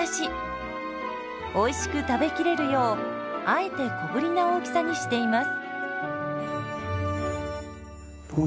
おいしく食べきれるようあえて小ぶりな大きさにしています。